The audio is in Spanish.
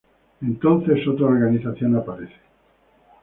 Entonces, otra organización apareció.